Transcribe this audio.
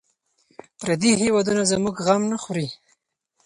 پردي هېوادونه زموږ غم نه خوري.